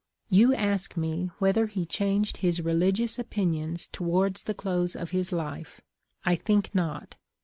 " You ask me whether he changed his religious opinions towards the close of his life. I think not.